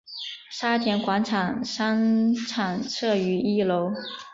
沙田广场商场设于一楼。